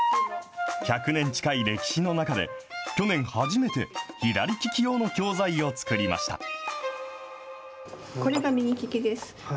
１００年近い歴史の中で、去年、初めて左利き用の教材を作りました。